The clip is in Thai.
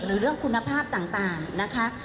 หรือเรื่องคุณภาพต่างนะคะ